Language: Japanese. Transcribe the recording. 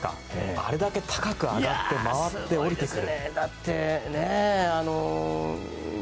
あれだけ高く上がって回って、降りてくる。